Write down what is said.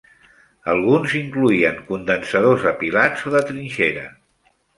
Alguns incloïen condensadors apilats o de trinxera.